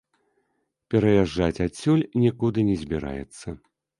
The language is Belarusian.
Пераязджаць адсюль нікуды не збіраецца.